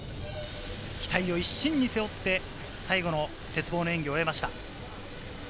期待を一身に背負って最後の鉄棒の演技を終えました。